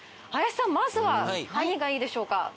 林さんまずは何がいいでしょうか？